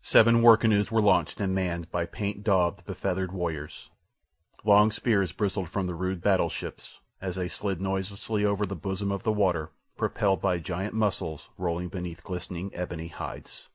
Seven war canoes were launched and manned by paint daubed, befeathered warriors. Long spears bristled from the rude battle ships, as they slid noiselessly over the bosom of the water, propelled by giant muscles rolling beneath glistening, ebony hides.